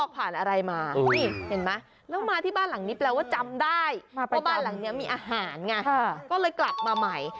เพราะบ้านหลังนี้มีอาหารไงก็เลยกลับมาใหม่